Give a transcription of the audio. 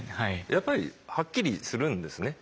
やっぱりはっきりするんですね。